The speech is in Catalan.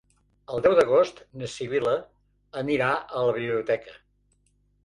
El deu d'agost na Sibil·la anirà a la biblioteca.